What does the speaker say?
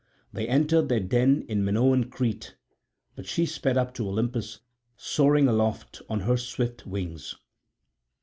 They entered their den in Minoan Crete; but she sped up to Olympus, soaring aloft on her swift wings.